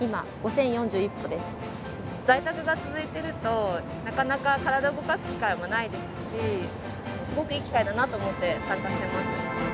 在宅が続いてるとなかなか体動かす機会もないですしすごくいい機会だなと思って参加してます。